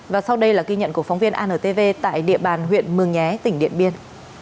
và sau đây là ghi nhận của phóng viên antv tại địa bàn huyện mường nhé tỉnh điện biên